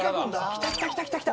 来た来た来た来た来た。